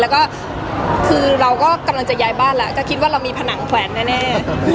แล้วเรากำลังจะย้ายบ้านแล้วคิดว่ามีผนังแขวนแน่